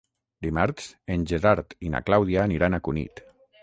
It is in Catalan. Dimarts en Gerard i na Clàudia aniran a Cunit.